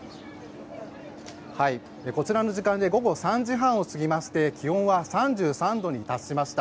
こちらの時間で午後３時半を過ぎまして気温は３３度に達しました。